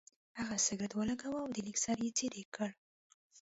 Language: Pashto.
هغه سګرټ ولګاوه او د لیک سر یې څېرې کړ.